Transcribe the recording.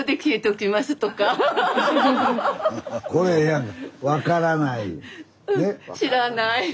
これええやん。